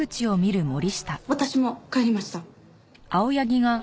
私も帰りました。